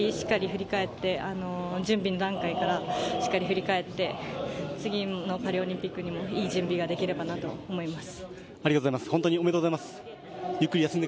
準備段階からしっかり振り返って次のパリオリンピックにもいい準備ができればなと思います。